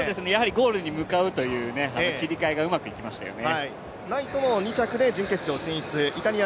ゴールに向かうという切り替えがうまくいきましたよね。